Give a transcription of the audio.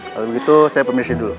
kalau begitu saya permisi dulu